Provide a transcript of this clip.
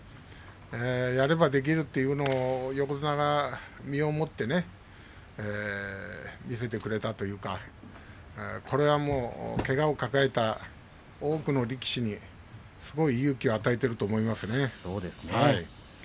やればできるというのを横綱が身を持って見せてくれたというかこれはけがを抱えた多くの力士にすごい勇気を与えていると思いますね。